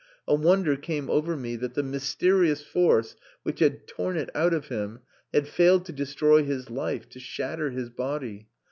A wonder came over me that the mysterious force which had torn it out of him had failed to destroy his life, to shatter his body.